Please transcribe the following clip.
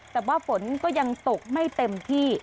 แต่ว่าฝนก็ยังตกไม่เต็มที่